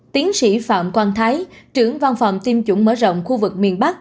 tiến sĩ phạm quang thái trưởng văn phòng tiêm chủng mở rộng khu vực miền bắc